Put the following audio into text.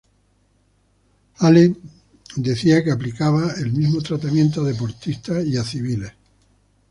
Allen decía que aplicaba el mismo tratamiento a deportistas y a "civiles".